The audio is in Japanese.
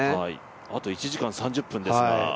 あと１時間３０分ですが。